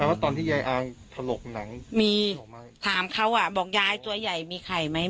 ว่าตอนที่ยายอายถลกหนังมีถามเขาอ่ะบอกยายตัวใหญ่มีไข่ไหม